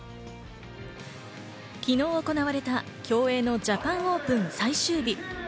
昨日行われた、競泳のジャパンオープン最終日。